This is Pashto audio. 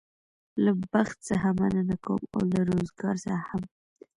له بخت څخه مننه کوم او له روزګار څخه هم.